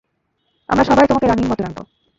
আমরা সবাই তোমাকে রানীর মতো রাখবো।